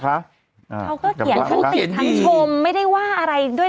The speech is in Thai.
เขาก็เกียรติศัตริย์ทั้งชมไม่ได้ว่าอะไรด้วย